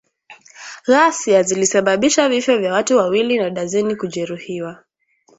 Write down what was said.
Ghasia zilisababisha vifo vya watu wawili na darzeni kujeruhiwa